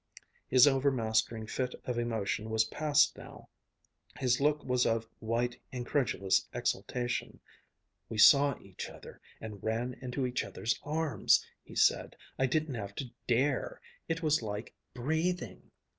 His overmastering fit of emotion was passed now. His look was of white, incredulous exaltation. "We saw each other and ran into each other's arms," he said; "I didn't have to 'dare.' It was like breathing."